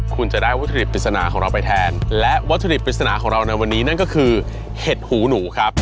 คุณจะได้วัตถุดิบปริศนาของเราไปแทนและวัตถุดิบปริศนาของเราในวันนี้นั่นก็คือเห็ดหูหนูครับ